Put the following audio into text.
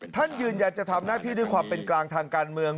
ท่านยืนยันจะทำหน้าที่ด้วยความเป็นกลางทางการเมือง